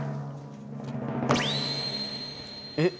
えっ！